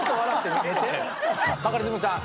バカリズムさん